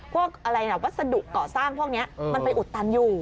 พวกวัสดุก่อสร้างพวกนี้มันไปอุดตันอยู่